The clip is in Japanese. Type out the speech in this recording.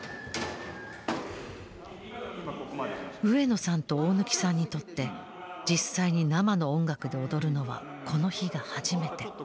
上野さんと大貫さんにとって実際に生の音楽で踊るのはこの日が初めて。